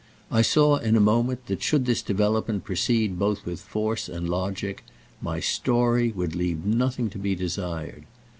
I saw in a moment that, should this development proceed both with force and logic, my "story" would leave nothing to be desired.